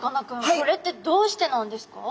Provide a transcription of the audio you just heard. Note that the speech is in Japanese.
これってどうしてなんですか？